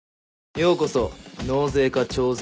ようこそ納税課徴税